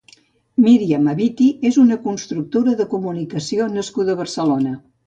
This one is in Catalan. Míriam Hatibi és una consultora de comunicació nascuda a Barcelona.